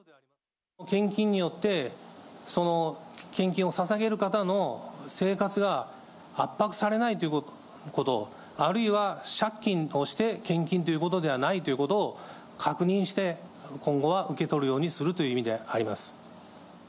献金によって、その献金をささげる方の生活が圧迫されないということ、あるいは借金をして献金ということではないということを確認して、今後は受け取るようにするという意味であります。